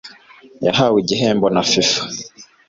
yahawe igihembo na FIFA